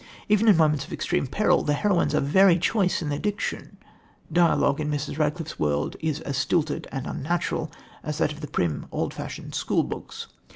Even in moments of extreme peril the heroines are very choice in their diction. Dialogue in Mrs. Radcliffe's world is as stilted and unnatural as that of prim, old fashioned school books.